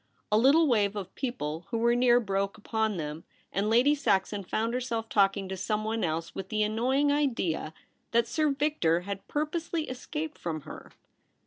A little wave of people who were near broke upon them, and Lady Saxon found herself talking to someone else with the annoying idea that Sir Victor had purposely escaped from her.